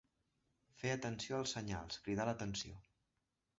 Fer atenció als senyals, cridar l'atenció.